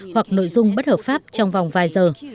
hoặc nội dung bất hợp pháp trong vòng vài giờ